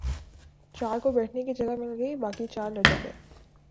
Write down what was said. چار کو بیٹھنے کی جگہ مل گئی باقی چار لٹک گئے ۔